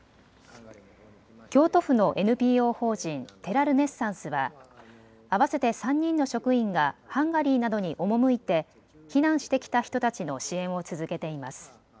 京都府のＮＰＯ法人テラ・ルネッサンスは合わせて３人の職員がハンガリーなどに赴いて避難してきた人たちの支援を続けています。